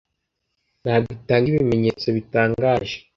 Ntabwo itanga ibimenyetso bitangaje